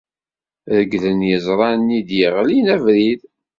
Reglen yeẓra-nni ay d-yeɣlin abrid.